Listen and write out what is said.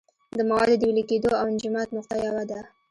د موادو د ویلې کېدو او انجماد نقطه یوه ده.